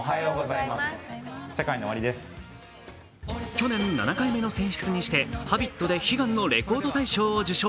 去年、７回目の選出にして「Ｈａｂｉｔ」で悲願のレコード大賞を受賞。